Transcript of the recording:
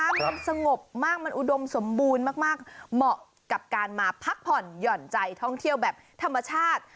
มันสงบมากมันอุดมสมบูรณ์มากเหมาะกับการมาพักผ่อนหย่อนใจท่องเที่ยวแบบธรรมชาติ